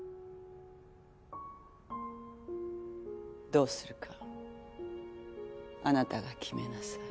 どうするかあなたが決めなさい。